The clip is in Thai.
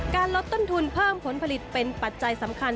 ลดต้นทุนเพิ่มผลผลิตเป็นปัจจัยสำคัญ